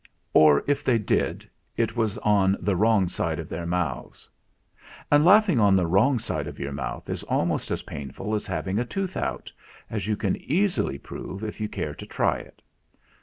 Or if they did, it was on the wrong side of their mouths. And laughing on the wrong side of your mouth is almost as painful as having a tooth out, as you can easily prove if you care to try it.